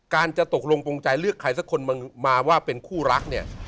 การจะตกลงปงใจเลือกใครสักคนมาว่าเป็นคู่รักเนี่ย